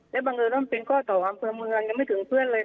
แล้วบางครั้งต้องเป็นก้อเกาะอำเภอเมืองยังไม่ถึงเพื่อนเลยค่ะ